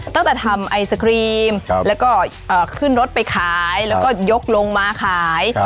ตั้งแต่ทำไอศครีมแล้วก็ขึ้นรถไปขายแล้วก็ยกลงมาขาย